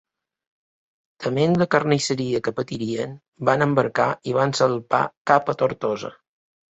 Tement la carnisseria que patirien, van embarcar i van salpar cap a Tortosa.